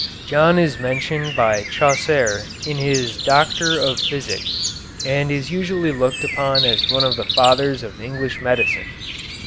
John is mentioned by Chaucer in his "Doctor of Physic," and is usually looked upon as one of the fathers of English medicine.